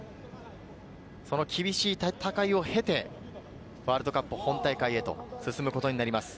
その厳しい戦いを経て、ワールドカップ本大会へと進むことになります。